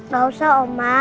gak usah oma